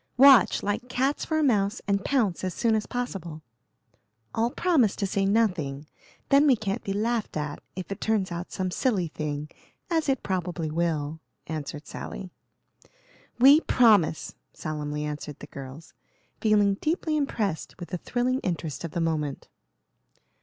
"Watch, like cats for a mouse, and pounce as soon as possible. All promise to say nothing; then we can't be laughed at if it turns out some silly thing, as it probably will," answered Sally. "We promise!" solemnly answered the girls, feeling deeply impressed with the thrilling interest of the moment.